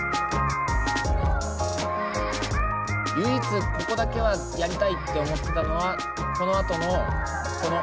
唯一ここだけはやりたいって思ってたのはこのあとのこの。